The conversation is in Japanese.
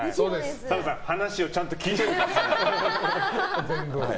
ＳＡＭさん、話をちゃんと聞いておいてください。